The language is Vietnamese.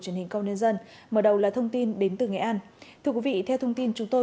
truyền hình công nhân dân mở đầu là thông tin đến từ nghệ an thưa quý vị theo thông tin chúng tôi